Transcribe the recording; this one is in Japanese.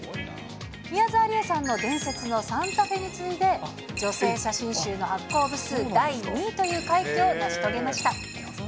宮沢りえさんの伝説のサンタフェに次いで、女性写真集の発行部数第２位という快挙を成し遂げました。